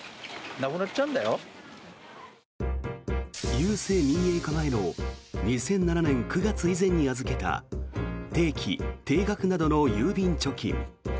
郵政民営化前の２００７年９月以前に預けた定期・定額などの郵便貯金。